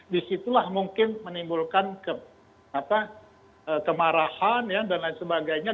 disitulah mungkin menimbulkan kemarahan dan lain sebagainya